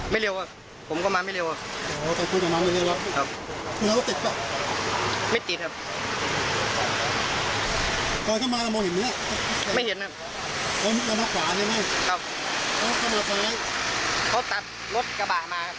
ไม่รู้ครับ